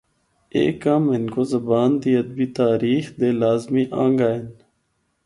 اے کم ہندکو زبان دی ادبی تاریخ دے لازمی آنگا ہن۔